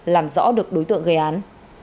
làm rõ được đối tượng gây án